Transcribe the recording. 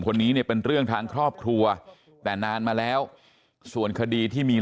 คนนี้เนี่ยเป็นเรื่องทางครอบครัวแต่นานมาแล้วส่วนคดีที่มี